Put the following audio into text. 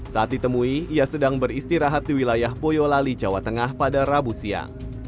saat ditemui ia sedang beristirahat di wilayah boyolali jawa tengah pada rabu siang